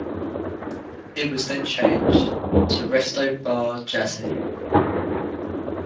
It was then changed to "Resto-Bar Jazzy".